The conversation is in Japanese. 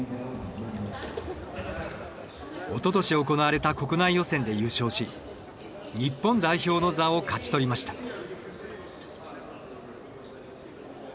おととし行われた国内予選で優勝し日本代表の座を勝ち取りました。